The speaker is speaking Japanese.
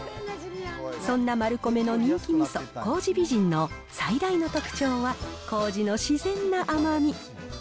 そんなマルコメの人気みそ、糀美人の最大の特徴は、こうじの自然な甘み。